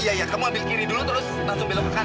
iya iya kamu ambil kiri dulu terus langsung belok ke kanan